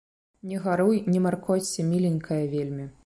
Не гаруй, не маркоцься, міленькая, вельмі.